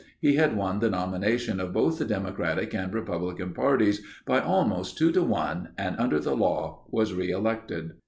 He had won the nomination of both the Democratic and Republican parties by almost two to one and under the law, was re elected.